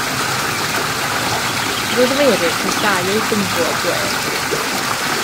Roedd Mary yn casáu eu byngalo blêr.